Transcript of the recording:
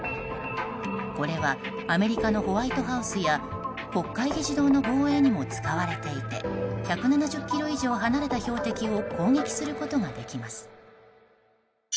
これはアメリカのホワイトハウスや国会議事堂の防衛にも使われていて１７０ｋｍ以上離れた標的を攻撃することができます。